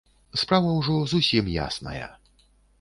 Справа ўжо зусім ясная.